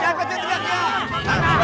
jangan kecil teriaknya